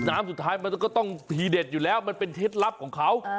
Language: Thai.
สุดท้ายมันก็ต้องทีเด็ดอยู่แล้วมันเป็นเคล็ดลับของเขา